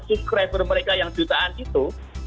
subscriber mereka yang jutaan itu